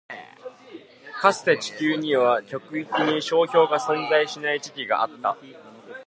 かつて、地球には極域に氷床が存在しない時期があった。